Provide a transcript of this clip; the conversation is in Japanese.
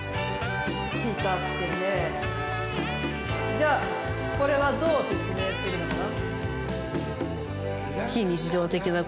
じゃあこれはどう説明するのかな？